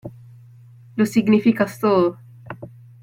lo significas todo.